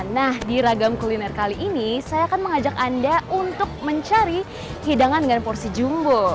nah di ragam kuliner kali ini saya akan mengajak anda untuk mencari hidangan dengan porsi jumbo